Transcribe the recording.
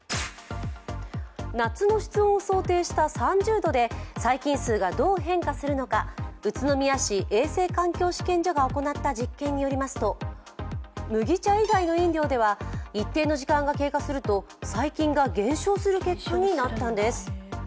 夏の室温を想定した３０度で細菌数がどう変化するのか宇都宮市衛生環境試験所が行った実験によりますと、麦茶以外の飲料では一定の時間が経過すると細菌が減少する結果になったんです。